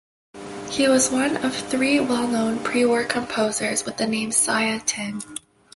He was one of three well known pre-war composers with the name Saya Tin.